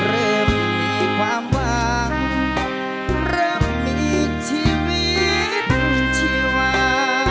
เริ่มมีความหวังเริ่มมีชีวิตชีวา